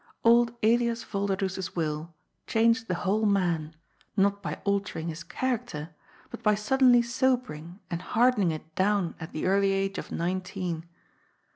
Old Elias Vol derdoes's will changed the whole man, not by altering his character, but by suddenly sobering and hardening it down at the early age of nineteen.